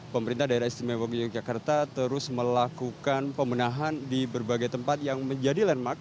pemerintah daerah istimewa yogyakarta terus melakukan pemenahan di berbagai tempat yang menjadi landmark